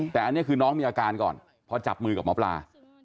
แต่อันนี้คือน้องมีอาการก่อนพอจับมือกับหมอปลา